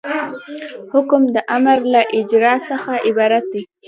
حکم د امر له اجرا څخه عبارت دی.